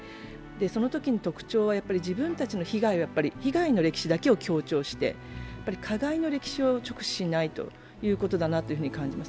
そのときの特徴は自分たちの被害の歴史だけを強調して加害の歴史を強調しないということだと思います。